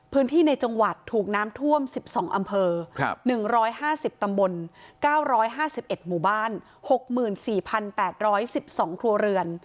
ในจังหวัดถูกน้ำท่วม๑๒อำเภอ๑๕๐ตำบล๙๕๑หมู่บ้าน๖๔๘๑๒ครัวเรือน